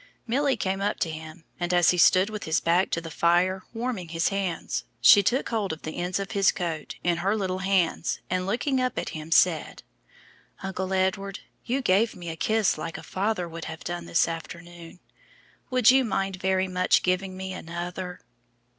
Milly came up to him, and as he stood with his back to the fire warming his hands, she took hold of the ends of his coat in her little hands, and, looking up at him, said: "Uncle Edward, you gave me a kiss like a father might have done this afternoon. Would you mind very much giving me another?"